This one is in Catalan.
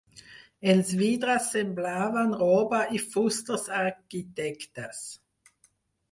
Els vidres semblaven roba i fusters arquitectes